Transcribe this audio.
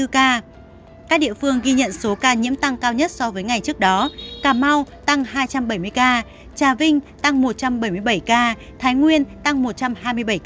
các địa phương ghi nhận số ca nhiễm tăng cao nhất so với ngày trước đó cà mau tăng hai trăm bảy mươi ca trà vinh tăng một trăm bảy mươi bảy ca thái nguyên tăng một trăm hai mươi bảy ca